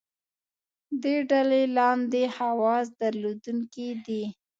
دې ډلې لاندې خواص درلودونکي دي.